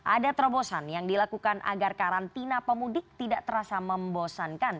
ada terobosan yang dilakukan agar karantina pemudik tidak terasa membosankan